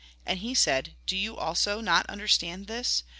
And he said :" Do you also not understand this